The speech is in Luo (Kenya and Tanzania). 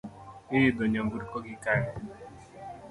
Iidho nyamburko gi kanye?